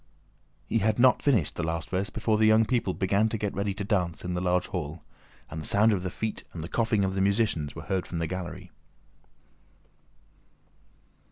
He had not finished the last verse before the young people began to get ready to dance in the large hall, and the sound of the feet and the coughing of the musicians were heard from the gallery.